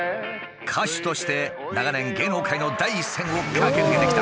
歌手として長年芸能界の第一線を駆け抜けてきた。